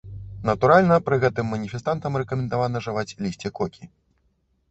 Натуральна, пры гэтым маніфестантам рэкамендавана жаваць лісце кокі.